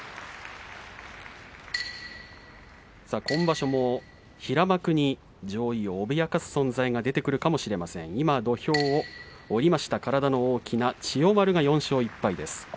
今場所も平幕に上位を脅かす存在が出てくるかもしれません、今土俵を下りました体の大きな千代丸が４勝１敗です。